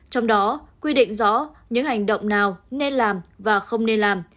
trong đó quy định rõ những hành động nào nên làm và không nên làm